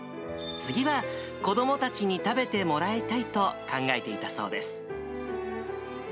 次は子どもたちに食べてもらいたいと考えていたそうです。